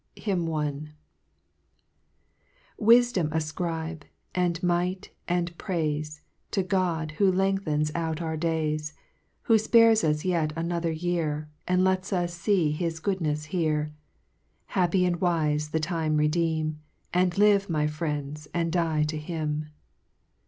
HYMN I. 1 X^CTlSDOM afcribe, and might, and prailo, ▼ T To God, who lengthens out our days, Who (pares us yet another year, And lets us fee his goodnefs here ; Happy and wife the time redeem, And live, my friends, and die to him.